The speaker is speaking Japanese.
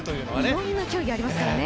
いろんな競技がありますからね。